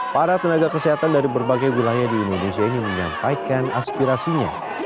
para tenaga kesehatan dari berbagai wilayah di indonesia ini menyampaikan aspirasinya